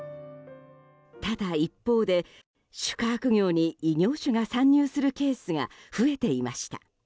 ただ一方で宿泊業に異業種が参入するケースが増えていました。